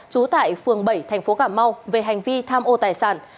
trú tại phường bảy thành phố cà mau về hành vi tham ô tài sản